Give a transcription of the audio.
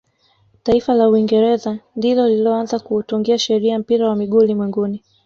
taifa la uingereza ndilo lililoanza kuutungia sheria mpira wa miguu ulimwenguni